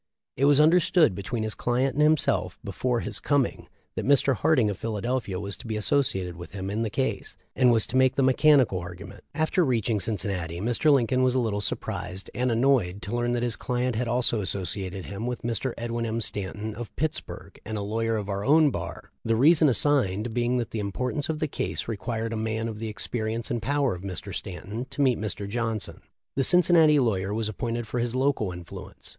It was understood between his client and himself before his coming that Mr. Harding, of Philadelphia, was to be associated with him in the case, and was to make the 'mechanical argument.' * The case, McCormick vs. Mann] rted in 6 McLean's Rep., p. 539. t W. M. Dickson. 354 THE LIFE 0F LINCOLN. After reaching Cincinnati, Mr. Lincoln was a little surprised and annoyed to learn that his client had also associated with him Mr. Edwin M. Stanton, of Pittsburg, and a lawyer of our own bar, the reason assigned being that the importance of the case re quired a man of the experience and power of Mr. Stanton to meet Mr. Johnson. The Cincinnati law yer was appointed for his 'local influence.'